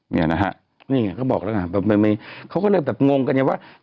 นี่ไงก็บอกแล้วนะเขาก็เริ่มแบบงงกันอย่างนี้ว่า